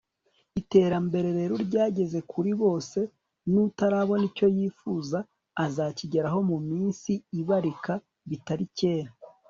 iterambere rero ryageze kuri bose, n'utarabona icyo yifuza azakigeraho mu minsi ibarika bitari cyera